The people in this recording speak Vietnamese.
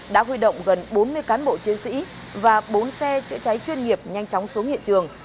đã huy động gần bốn mươi cán bộ chiến sĩ và bốn xe chữa cháy chuyên nghiệp nhanh chóng xuống hiện trường